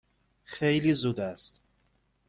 خیلی زود است.